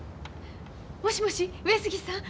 もしもし上杉さん。